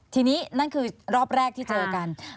ทีนี้นั่นคือรอบแรกที่เจอกัน